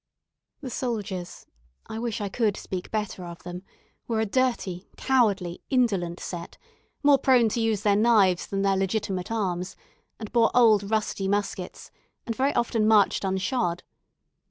The soldiers I wish I could speak better of them were a dirty, cowardly, indolent set, more prone to use their knives than their legitimate arms, and bore old rusty muskets, and very often marched unshod.